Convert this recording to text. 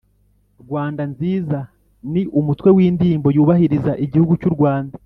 rwanda nziza: ni umutwe w’indirimbo yubahiriza igihugu cy’u rwanda